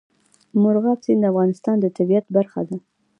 مورغاب سیند د افغانستان د طبیعت برخه ده.